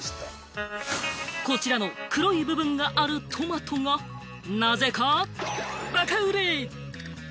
こちらの黒い部分があるトマトが、なぜかバカ売れ！